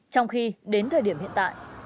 trong khi đến thời điểm hiện tại